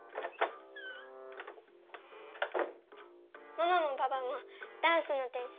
ママもパパもダンスの点数